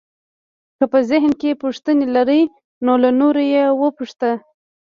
که په ذهن کې پوښتنې لرئ نو له نورو یې وپوښته.